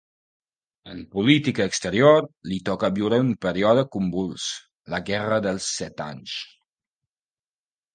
En política exterior li toca viure un període convuls: la guerra dels Set Anys.